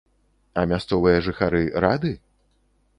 А мясцовыя жыхары рады?